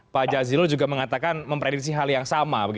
pak jazilul juga mengatakan memprediksi hal yang sama